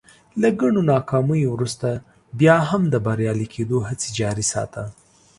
له ګڼو ناکاميو ورورسته بيا هم د بريالي کېدو هڅې جاري ساته.